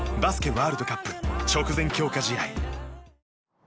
ワールドカップ直前強化試合。